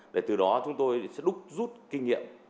để từ đó chúng tôi sẽ đúc rút kinh nghiệm